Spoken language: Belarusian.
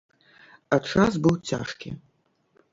А час быў цяжкі.